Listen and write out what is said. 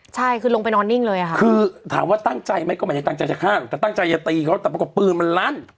ใช่คือลงไปนอนนิ่งเลยอ่ะค่ะคือถามว่าตั้งใจไหมก็ไม่ใช่ตั้งใจจากข้างแต่ตั้งใจอย่าตีเขาแต่ปรากฏว่าปืนมันลั่น